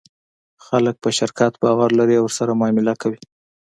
خلک په شرکت باور لري او ورسره معامله کوي.